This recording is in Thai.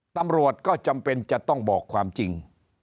ตำรวจก็จำเป็นจะต้องบอกความจริง